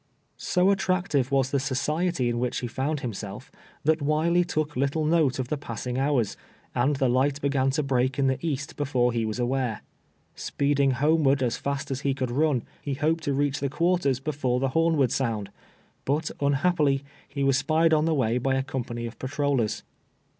237 So attractive was the society in wliicli lie found himself, that "Wiley took little note of the passing hours, and the light hegan to break in the east before he was aware. Speeding homeward as fast as he could run, he hoped to reach the quarters before the horn would sound ; but, unhappily, he was spied on the way by a company of patrollers.